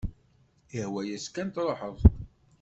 Ihwa-yas kan truḥ-d.